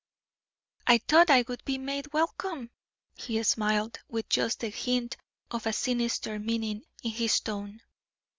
"I thought I would be made welcome," he smiled, with just the hint of sinister meaning in his tone.